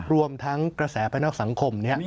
รวมทั้งกระแสภายนอกสังคม